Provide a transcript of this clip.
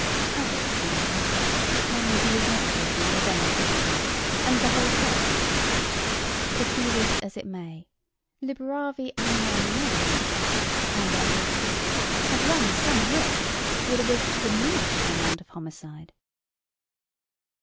Others, however, tell me that he is meditating a revenge upon me and the whole club. But let this be as it may, liberavi animam meam; and, as you see, have run some risk with a wish to diminish the amount of homicide.